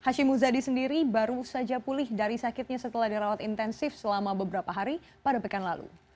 hashim muzadi sendiri baru saja pulih dari sakitnya setelah dirawat intensif selama beberapa hari pada pekan lalu